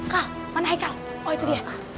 kal mana hai kal oh itu dia